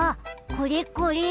これこれ！